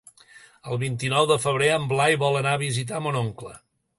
El vint-i-nou de febrer en Blai vol anar a visitar mon oncle.